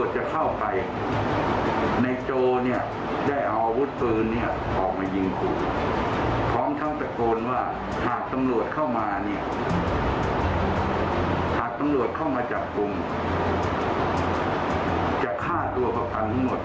จะฆ่าตัวกับฝั่งทั้งหมด